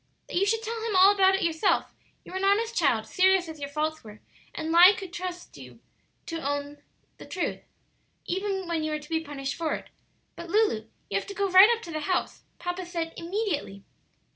"That you should tell him all about it yourself; you were an honest child, serious as your faults were, and lie could trust you to own the truth, even when you were to be punished for it. But, Lulu, you have to go right up to the house; papa said 'immediately.'"